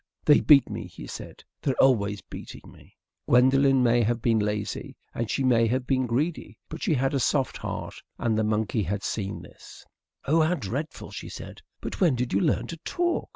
"They beat me," he said. "They're always beating me." Gwendolen may have been lazy, and she may have been greedy, but she had a soft heart, and the monkey had seen this. "Oh, how dreadful!" she said. "But when did you learn to talk?"